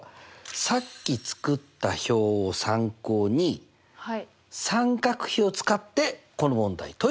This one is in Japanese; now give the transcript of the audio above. さっき作った表を参考に三角比を使ってこの問題解いてください。